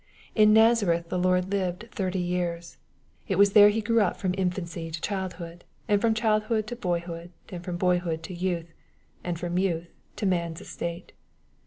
In Nazareth the Lord Jesus lived thirty years. It was there He grew up from infancy to childhood, and from, childhood to boyhood, and from boyhood to youth, and from youth to man's estate.